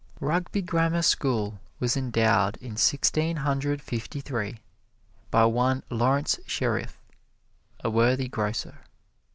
Rugby Grammar School was endowed in Sixteen Hundred Fifty three by one Laurence Sherif, a worthy grocer.